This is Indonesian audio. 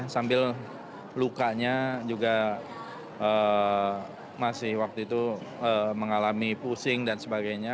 sambil lukanya juga masih waktu itu mengalami pusing dan sebagainya